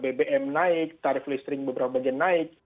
bbm naik tarif listrik beberapa bagian naik